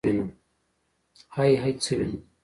ائ هئ څه وينم.